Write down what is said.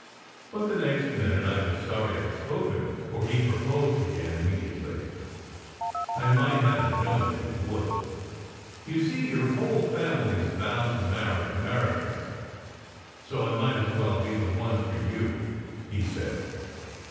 But the next minute I was sorry I d spoken, for he proposed again immediately. I might have known he would !" You see, your whole fami ly s bound to marry Americans, so I might as well be the one for you," he said.